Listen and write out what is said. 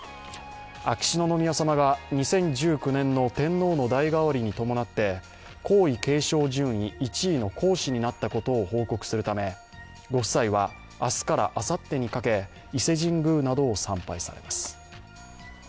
秋篠宮さまが２０１９年の天皇の代替わりに伴って、皇位継承順位１位の皇嗣になったことを報告するためご夫妻は明日からあさってにかけ伊勢神宮などを参拝されます。